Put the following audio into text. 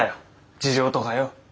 事情とかよ。